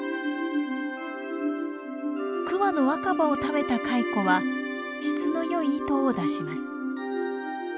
桑の若葉を食べた蚕は質の良い糸を出します。